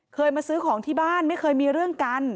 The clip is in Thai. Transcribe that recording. เคยมาซื้อของที่บ้านไม่เคยมีเรื่องกัน